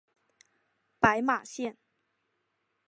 白马线